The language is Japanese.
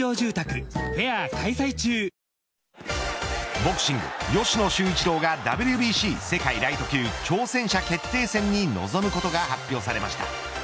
ボクシング、吉野修一郎がＷＢＣ世界ライト級挑戦者決定戦に臨むことが発表されました。